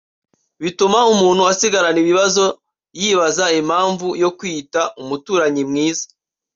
bituma umuntu asigarana ibibazo yibaza impamvu yo kwiyita “umuturanyi mwiza”